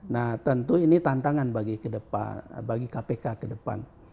nah tentu ini tantangan bagi kpk ke depan